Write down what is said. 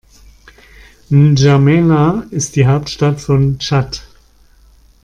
N’Djamena ist die Hauptstadt von Tschad.